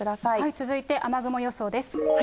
続いて雨雲予想です。